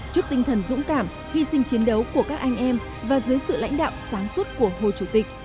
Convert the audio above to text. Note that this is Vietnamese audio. trước tinh thần dũng cảm hy sinh chiến đấu của các anh em và dưới sự lãnh đạo sáng suốt của hồ chủ tịch